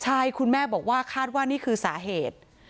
ใช่คุณแม่บอกว่าคาดว่านี่คือสาเหตุ